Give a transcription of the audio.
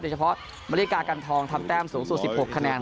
เฉพาะมริกากันทองทำแต้มสูงสุด๑๖คะแนน